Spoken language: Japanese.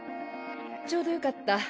ちょうどよかった。